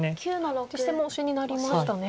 実戦もオシになりましたね。